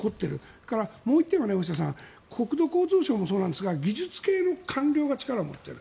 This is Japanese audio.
それからもう１点は、大下さん国土交通省もそうなんですが技術系の官僚が力を持っている。